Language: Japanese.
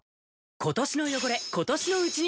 今年の汚れ、今年のうちに。